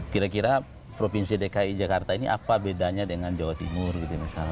kira kira provinsi dki jakarta ini apa bedanya dengan jawa timur gitu misalnya